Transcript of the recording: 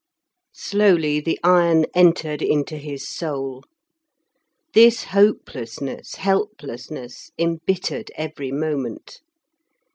Slowly the iron entered into his soul. This hopelessness, helplessness, embittered every moment.